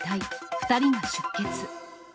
２人が出血。